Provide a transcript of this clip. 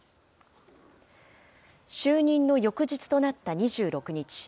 就任の翌日となった２６日。